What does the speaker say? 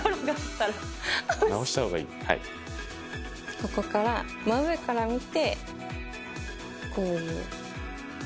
ここから、真上から見て。